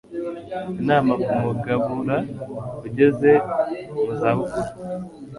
Inama ku Mugabura Ugeze mu Zabukuru